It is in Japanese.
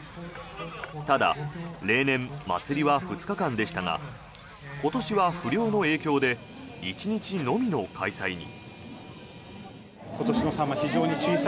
ただ例年、祭りは２日間でしたが今年は不漁の影響で１日のみの開催に。